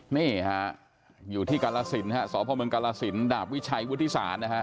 นี่ค่ะอยู่ที่กาลสินฮะสบกาลสินดาววิชัยวุฒิษศาสตร์นะฮะ